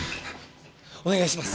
お願いします。